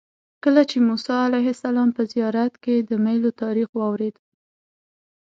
کله چې د موسی علیه السلام په زیارت کې د میلو تاریخ واورېد.